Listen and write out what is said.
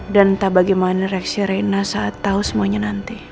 dan entah bagaimana reaksi reina saat tahu semuanya nanti